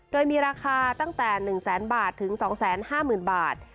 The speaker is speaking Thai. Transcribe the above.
โดยมีราคาตั้งแต่๑๐๐๐๐๐๒๕๐๐๐๐บาท